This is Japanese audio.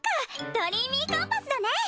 ドリーミーコンパスだね！